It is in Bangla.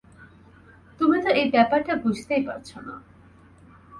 তুমি তো এই ব্যাপারটা বুঝতেই পারছো না।